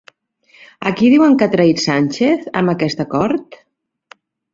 A qui diuen que ha traït Sánchez amb aquest acord?